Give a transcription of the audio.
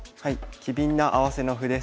「機敏な合わせの歩」です。